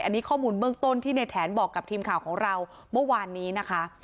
อันนี้ข้อมูลเบื้องต้นที่ในแถนบอกกับทีมข่าวของเราเมื่อวานนี้นะคะ